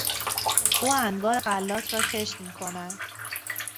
او انواع غلات را کشت میکند.